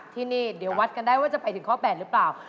ที่นี่เดี๋ยววัดกันได้ว่าจะไปถึงข้อ๘หรือเปล่า